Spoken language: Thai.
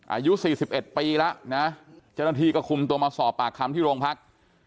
อายุ๔๑ปีแล้วนะเจ้าหน้าที่ก็คุมตัวมาสอบปากคำที่โรงพัก